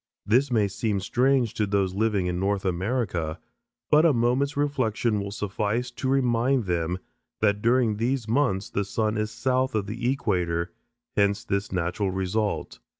This may seem strange to those living in North America, but a moment's reflection will suffice to remind them that during these months the sun is south of the equator, hence this natural result.